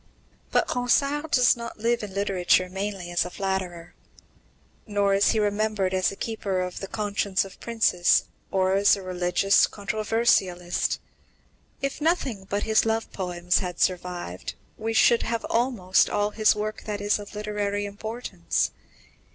But Ronsard does not live in literature mainly as a flatterer. Nor is he remembered as a keeper of the conscience of princes, or as a religious controversialist. If nothing but his love poems had survived, we should have almost all his work that is of literary importance.